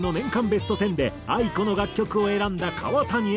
ベスト１０でａｉｋｏの楽曲を選んだ川谷絵音は。